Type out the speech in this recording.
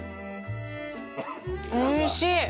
おいしい。